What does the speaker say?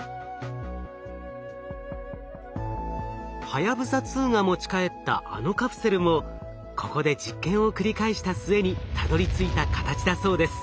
はやぶさ２が持ち帰ったあのカプセルもここで実験を繰り返した末にたどりついた形だそうです。